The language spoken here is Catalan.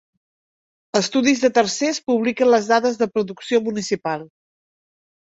Estudis de tercers publiquen les dades de producció municipal.